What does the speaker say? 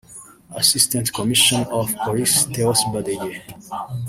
Assistant Commissioner of Police Theos Badege